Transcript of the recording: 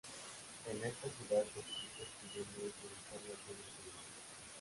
En esta ciudad subsiste escribiendo y publicando algunos libros.